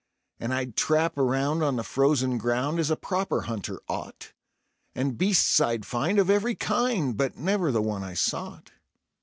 And I'd trap around on the frozen ground, as a proper hunter ought, And beasts I'd find of every kind, but never the one I sought.